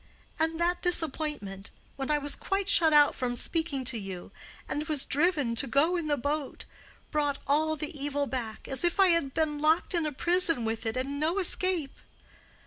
And that disappointment—when I was quite shut out from speaking to you, and was driven to go in the boat—brought all the evil back, as if I had been locked in a prison with it and no escape.